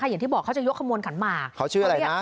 เขาบอกเค้าจะยกขบวนกันมาเค้าชื่ออะไรนะ